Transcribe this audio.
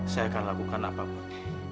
saya akan lakukan apapun